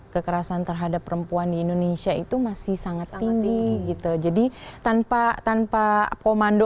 kekerasan terhadap perempuan di indonesia itu masih sangat tinggi gitu jadi tanpa tanpa komando